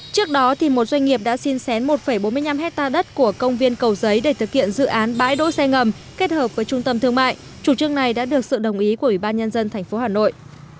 trước đó một doanh nghiệp đã xin xén một bốn mươi năm hectare đất của công viên cầu giấy để thực hiện dự án bãi đỗ xe ngầm kết hợp với trung tâm thương mại chủ trương này đã được sự đồng ý của ủy ban nhân dân tp hà nội